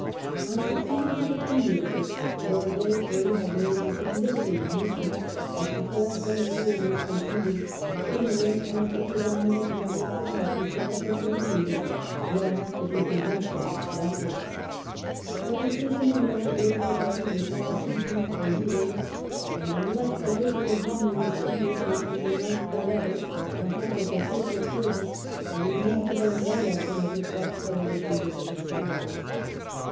On succeeding to the Premiership Lord Rosebery had made the significant admission that before Home Rule was con ceded " England as the predominant member of the partnership of the three kingdoms will have to be convinced of its justice". But the schism in the old Liberal Party was now too deep for healing, and unless the Liberal Unionist leaders were to renounce for ever the hope of official service, there remained to them no alternative but coalition with the Conservatives.